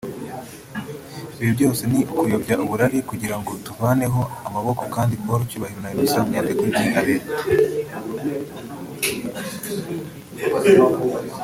Ibi byose ni ukoyobya uburari kugirango tumuvaneho amaboko kandi Paul Cyubahiro na Innocent Munyandekwe ni abere